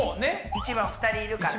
１番２人いるから。